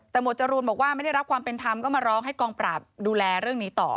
แต่หวดจรูนบอกว่าไม่ได้รับความเป็นธรรมก็มาร้องให้กองปราบดูแลเรื่องนี้ต่อ